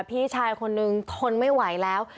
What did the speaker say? พี่ชายคนนึงทนไม่ไหวแล้ว